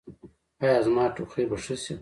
ایا زما ټوخی به ښه شي؟